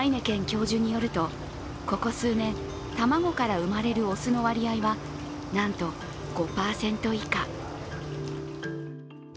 教授によると、ここ数年、卵から生まれるオスの割合はなんと５％以下。